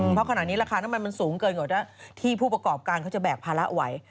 เพราะขณะนี้ราคาน้ำมันมันสูงเกินกว่าที่ผู้ประกอบการเขาจะแบกภาระไว้